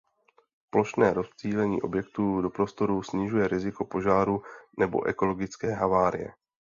Plošné rozptýlení objektů do prostoru snižuje riziko požáru nebo ekologické havárie.